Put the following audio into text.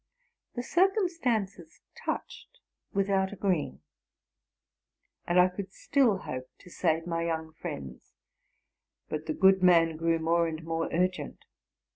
The circum stances touched, without agreeing; and I could still hope to save my young friends. But the good man grew more and more urgent.